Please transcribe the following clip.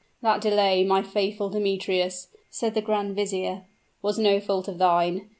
"That delay, my faithful Demetrius," said the grand vizier, "was no fault of thine.